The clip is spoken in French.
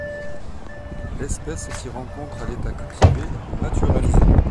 L'espèce s'y rencontre à l'état cultivé ou naturalisé.